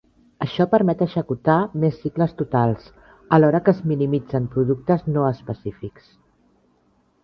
Això permet executar més cicles totals alhora que es minimitzen productes no específics.